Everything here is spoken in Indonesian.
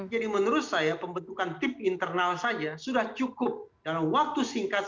jadi menurut saya pembentukan tip internal saja sudah cukup dalam waktu singkat